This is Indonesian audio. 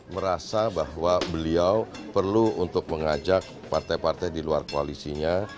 merasa bahwa beliau perlu untuk mengajak partai partai di luar koalisinya